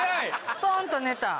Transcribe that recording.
ストンと寝た。